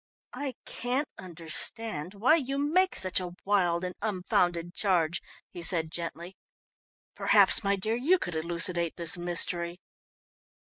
"I can't understand why you make such a wild and unfounded charge," he said gently. "Perhaps, my dear, you could elucidate this mystery."